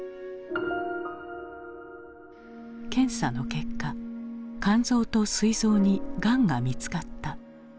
検査の結果肝臓とすい臓にがんが見つかった。